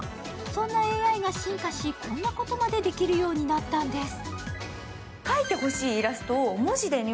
そんなＡＩが進化し、こんなことまでできるようになったんです。